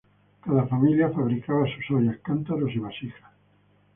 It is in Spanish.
Cada familia fabricaba sus ollas, cántaros y vasijas.